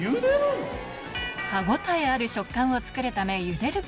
歯応えある食感をつくるためゆでる